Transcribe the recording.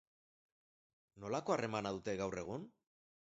Nolako harremana dute gaur egun?